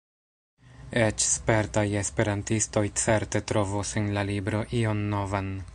Eĉ spertaj esperantistoj certe trovos en la libro ion novan.